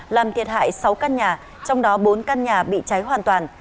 làm thiệt hại sáu căn nhà trong đó bốn căn nhà bị cháy hoàn toàn